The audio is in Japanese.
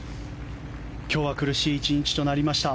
今日は苦しい１日となりました。